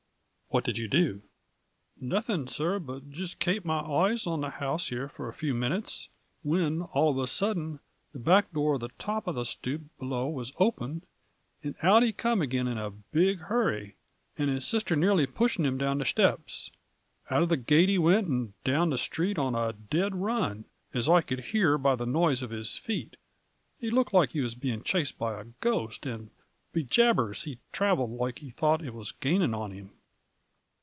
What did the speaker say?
" What did you do ?"" Nothing, sir, but jist kape my eyes on the house here for a few minutes, whin, all of asud den, the back door at the top of the stoop below was opened, and out he come again in a big hurry, A FLURRY IN DIAMONDS. 57 and his sister nearly pushing him down the shteps. Out of the gate he wint and down the street on a dead run, as I could hear by the noise of his feet. He looked loike he was being chased by a ghost, and, be jabers, he thraveled like he thought it was gaining on him